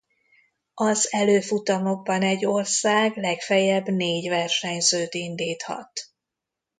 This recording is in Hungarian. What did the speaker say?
Az előfutamokban egy ország legfeljebb négy versenyzőt indíthat.